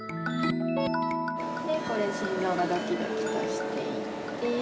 でこれ心ぞうがドキドキとしていて。